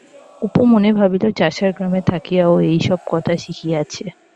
অপু মনে ভাবিল চাষার গ্রামে থাকিয়া ও এই সব কথা শিখিয়াছে।